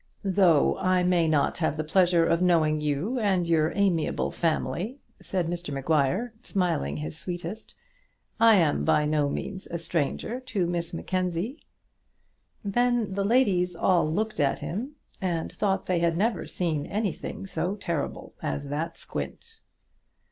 "Though I may not have the pleasure of knowing you and your amiable family," said Mr Maguire, smiling his sweetest, "I am by no means a stranger to Miss Mackenzie." Then the ladies all looked at him, and thought they had never seen anything so terrible as that squint.